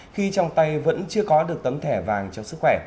khi trong tay vẫn chưa có được tấm thẻ vàng cho sức khỏe